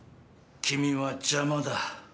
・君は邪魔だ。